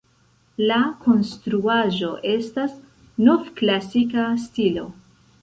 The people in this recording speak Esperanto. La konstruaĵo estas novklasika stilo.